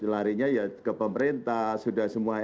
larinya ya ke pemerintah sudah semua